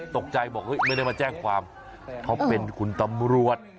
ตกใจบอกไม่ได้มาแจ้งความเขาเป็นคุณตำรวจ